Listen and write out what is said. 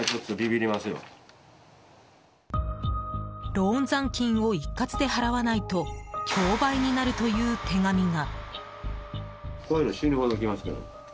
ローン残金を一括で払わないと競売になるという手紙が。